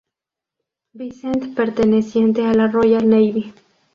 Vincent perteneciente a la Royal Navy.